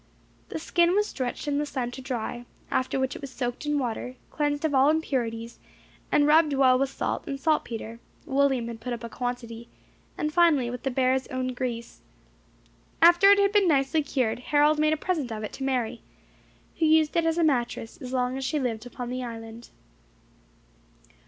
The skin was stretched in the sun to dry, after which it was soaked in water, cleansed of all impurities, and rubbed well with salt and saltpetre (William had put up a quantity), and finally with the bear's own grease. After it had been nicely cured, Harold made a present of it to Mary, who used it as a mattress so long as she lived upon the island.